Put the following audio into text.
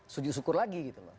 sujud syukur lagi gitu loh